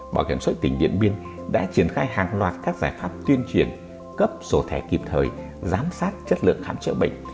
bảo hiểm xuất tỉnh điện biên đã triển khai hàng loạt các giải pháp tuyên truyền cấp sổ thẻ kịp thời giám sát chất lượng khám chữa bệnh